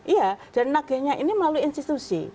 iya dan nagehnya ini melalui institusi